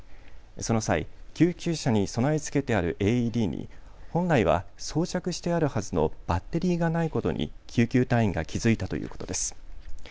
その際、救急車に備え付けてあるＡＥＤに本来は装着してあるはずのバッテリーがないことに救急隊員が気付いたということです。